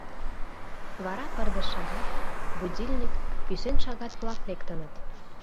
Вара пырдыж шагат, будильник, кӱсен шагат-влак лектыныт.